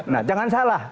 nah jangan salah